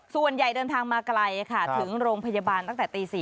ส่วนใหญ่เดินทางมาไกลค่ะถึงโรงพยาบาลตั้งแต่ตี๔